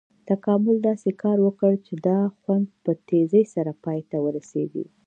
تکامل داسې کار وکړ چې دا خوند په تیزي سره پای ته ورسېږي.